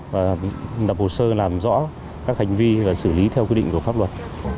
và lập hồ sơ làm rõ các hành vi và xử lý theo quy định của pháp luật